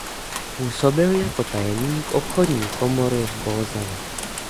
Působil jako tajemník obchodní komory v Bolzanu.